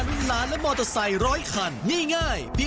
เวลา๙นาฬิกา๓๐นาที